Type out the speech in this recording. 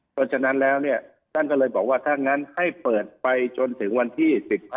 เพราะฉะนั้นแล้วเนี่ยท่านก็เลยบอกว่าถ้างั้นให้เปิดไปจนถึงวันที่๑๕